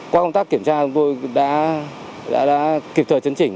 qua công tác kiểm tra chúng tôi đã kịp thời chấn chỉnh